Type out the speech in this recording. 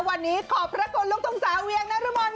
วันนี้ขอบพระกรุงตรงสาวเวียงนรมนธ์ค่ะ